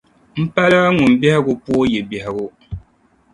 M pala ŋun biɛhigu pooi yi biɛhigu.